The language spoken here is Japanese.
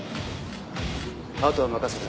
あとは任せた。